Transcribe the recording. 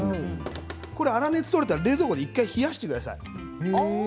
これ粗熱取れたら冷蔵庫で１回冷やしてください。